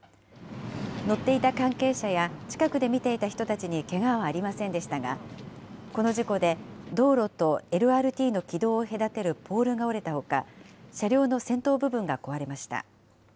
乗っていた関係者や近くで見ていた人たちにけがはありませんでしたが、この事故で道路とＬＲＴの軌道を隔てるポールが折れたほか、車両の先頭部分が壊れました。